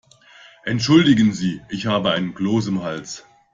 Entschuldigen Sie, ich habe einen Kloß im Hals.